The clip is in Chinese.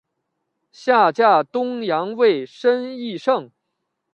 下嫁东阳尉申翊圣。